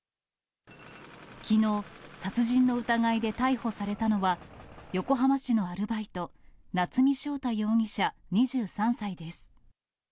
きのう、殺人の疑いで逮捕されたのは、横浜市のアルバイト、夏見翔太容疑者２３歳です。